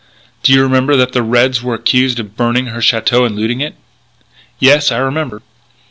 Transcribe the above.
"Do you remember that the Reds were accused of burning her château and looting it?" "Yes, I remember."